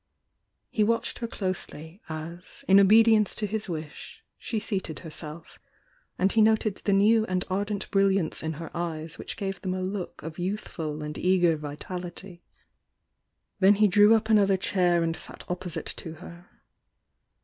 He watched her closely, as, in obedience to his wish, she seated herself, and he noted the new and ardent brilliance in her eyes which gave them a look of youthful and eager vitality. Then io drew up another chair and sat opposite to her.